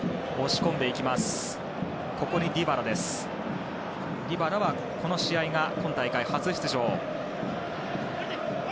ディバラはこの試合が今大会初出場。